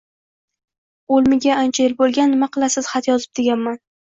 o’lmiga ancha yil bo’lgan, nima qilasiz xat yozib, deganman.